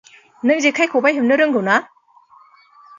नों जेखाइ खबाइ हेबनो रोंगौ ना?